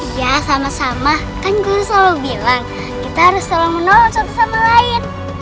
iya sama sama kan guru selalu bilang kita harus selalu menolong satu sama lain